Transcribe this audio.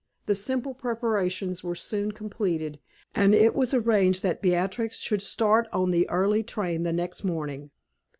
The simple preparations were soon completed, and it was arranged that Beatrix should start on the early train the next morning.